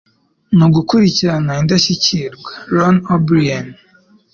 Ni ugukurikirana indashyikirwa. ”- Ron O'Brien